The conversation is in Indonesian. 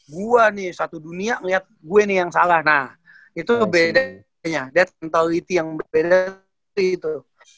gue nih satu dunia melihat gue nih yang salah nah itu bedanya dia kentality yang beda itu